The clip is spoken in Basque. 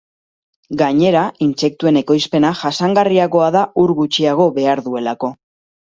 Gainera, intsektuen ekoizpena jasangarriagoa da ur gutxiago behar duelako.